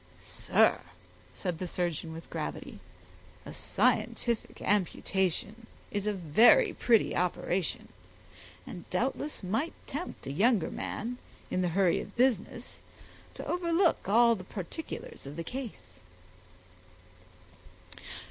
"Sir," said the surgeon, with gravity, "a scientific amputation is a very pretty operation, and doubtless might tempt a younger man, in the hurry of business, to overlook all the particulars of the case."